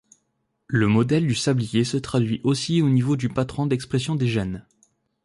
Le modèle du sablier se traduit aussi au niveau du patron d’expression des gènes.